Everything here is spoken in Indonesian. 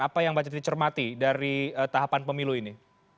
apa yang mbak citi cermati dari tahapan pemilu ini